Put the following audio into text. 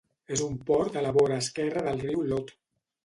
És un port a la vora esquerra del riu Lot.